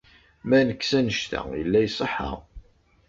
Ma nekkes annect-a, yella iṣeḥḥa.